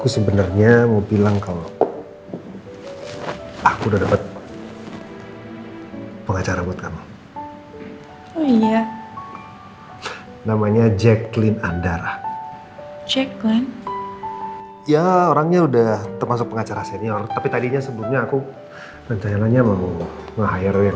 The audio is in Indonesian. sampai jumpa di video selanjutnya